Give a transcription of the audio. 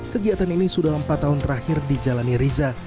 kegiatan ini sudah empat tahun terakhir dijalani riza